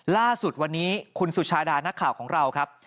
ล่าสุดวันนี้คุณสุชาดานักข่าวของเราครับ